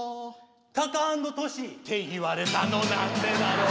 タカアンドトシ！って言われたのなんでだろう